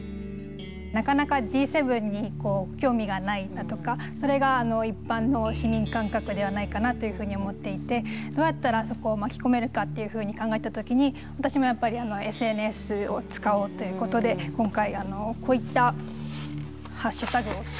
なかなかＧ７に興味がないなとかそれが一般の市民感覚ではないかなというふうに思っていてどうやったらそこを巻き込めるかっていうふうに考えた時に私もやっぱりＳＮＳを使おうということで今回こういったハッシュタグを作りました。